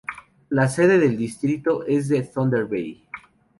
La sede del distrito es de Thunder Bay.